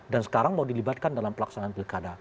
dan sekarang mau dilibatkan dalam pelaksanaan pilkara